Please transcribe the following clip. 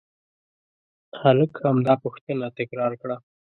هلک همدا پوښتنه تکرار کړه.